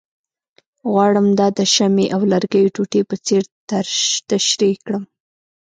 غواړم دا د شمعې او لرګیو ټوټې په څېر تشریح کړم،